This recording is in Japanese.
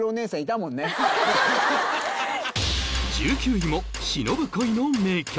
１９位も忍ぶ恋の名曲